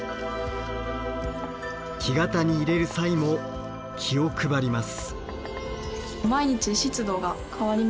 木型に入れる際も気を配ります。